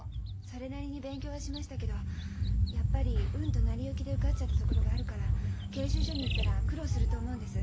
それなりに勉強はしましたけどやっぱり運と成り行きで受かっちゃったところがあるから研修所に行ったら苦労すると思うんです。